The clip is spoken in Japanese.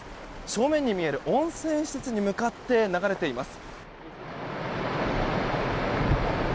正面に見える温泉施設に向かって流れています。